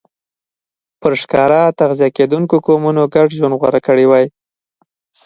پر ښکار تغذیه کېدونکو قومونو ګډ ژوند غوره کړی وای.